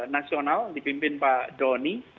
nasional dipimpin pak doni